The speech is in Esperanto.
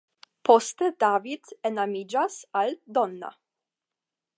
Poste David enamiĝas al Donna.